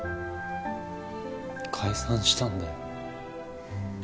解散したんだよ